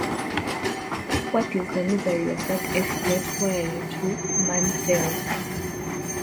What is the misery of that estate whereinto man fell?